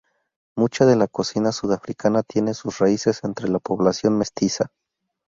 Mucha de la cocina sudafricana tiene sus raíces entre la población mestiza.